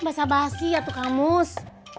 basah basih ya tukamus